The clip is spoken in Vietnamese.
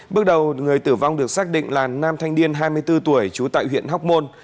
bước đầu người tử vong được xác định là nam thanh niên hai mươi bốn tuổi trú tại huyện hóc môn